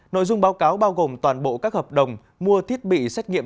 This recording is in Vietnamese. nội dung báo cáo bao gồm toàn bộ các hợp đồng mua thiết bị xét nghiệm